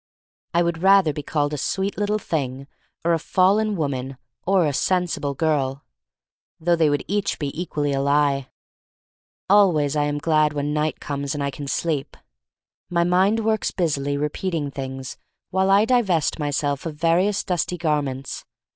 I would rather be called a sweet little thing, or a fallen THE STORY OF MARY MAC LANE 247 woman, or a sensible girl— though they would each be equally a lie. Always I am glad when night comes and I can sleep. My mind works busily repeating things while I divest myself of my various dusty garments.